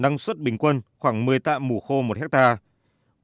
năng suất bình quân khoảng một mươi tạ mù khô một hectare